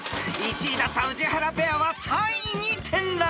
［１位だった宇治原ペアは３位に転落］